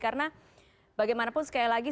karena bagaimanapun sekali lagi